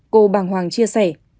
cô bàng hoàng chia sẻ